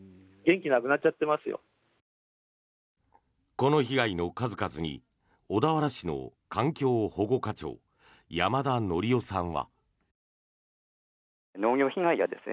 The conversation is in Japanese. この被害の数々に小田原市の環境保護課長山田則夫さんは。